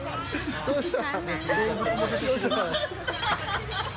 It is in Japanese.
どうした？